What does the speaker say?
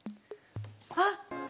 あっ。